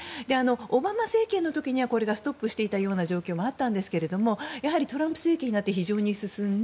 オバマ政権の時にはこれがストップしていたような状況もあったんですけどやはりトランプ政権になって非常に進んで